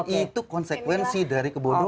itu konsekuensi dari kebodohan